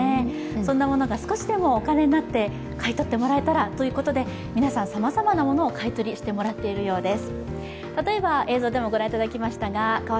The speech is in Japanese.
そんなものが少しでもお金になって買い取ってもらえたらということで皆さん、さまざまなものを買い取りしてもらっているようです。